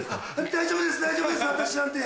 大丈夫です大丈夫です私なんて。